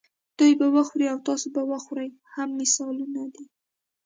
دوی به وخوري او تاسې به وخورئ هم مثالونه دي.